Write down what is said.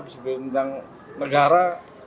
isi beliau tentang negara